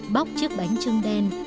bóc chiếc bánh trưng đen